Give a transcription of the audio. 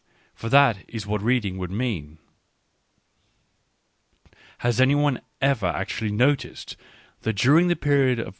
For that is what reading would mean. ... Has any one ever actually noticed, that, during the period of.